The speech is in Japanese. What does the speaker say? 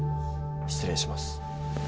失礼します